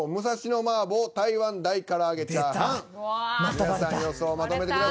皆さん予想をまとめてください。